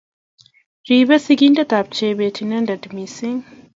Ribe sigiikab Chebet inendet mising